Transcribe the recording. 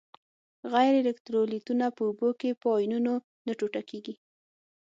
غیر الکترولیتونه په اوبو کې په آیونونو نه ټوټه کیږي.